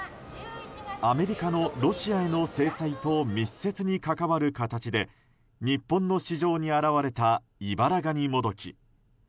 アメリカのロシアへの制裁と密接に関わる形で日本の市場に現れたイバラガニモドキ。